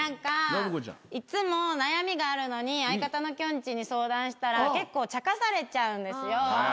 いつも悩みがあるのに相方のきょんちぃに相談したら結構ちゃかされちゃうんですよ。